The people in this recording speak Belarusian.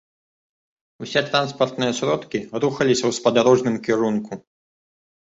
Усе транспартныя сродкі рухаліся ў спадарожным кірунку.